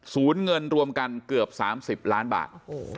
เงินรวมกันเกือบ๓๐ล้านบาท